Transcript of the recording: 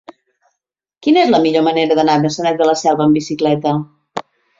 Quina és la millor manera d'anar a Maçanet de la Selva amb bicicleta?